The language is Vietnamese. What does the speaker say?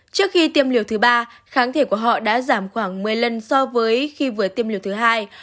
trước khi tiêm liều thứ ba kháng thể của họ đã giảm khoảng một mươi lần so với khi vừa tiêm liều thứ hai